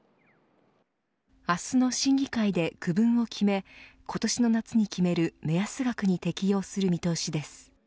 明日の審議会で区分を決め今年の夏に決める目安額に適用する見通しです。